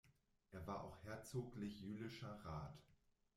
Er war auch Herzoglich-Jülischer Rat.